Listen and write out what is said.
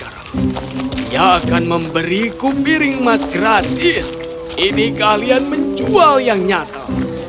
dia akan memberiku piring emas gratis ini kalian menjual yang nyata